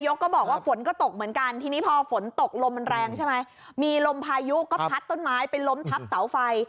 ก็บอกว่าฝนก็ตกเหมือนกันทีนี้พอฝนตกลมมันแรงใช่ไหมมีลมพายุก็พัดต้นไม้ไปล้มทับเสาไฟ